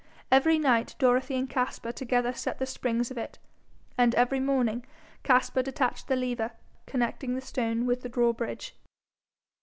Every night Dorothy and Caspar together set the springs of it, and every morning Caspar detached the lever connecting the stone with the drawbridge.